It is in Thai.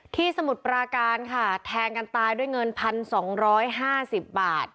ที่สมุดปราการค่ะแทงกันตายด้วยเงินพันสองร้อยห้าสิบบาท